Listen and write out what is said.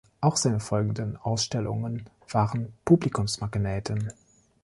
Auch seine folgenden Ausstellungen waren Publikumsmagneten.